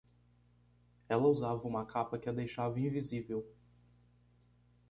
Ela usava uma capa que a deixava invisível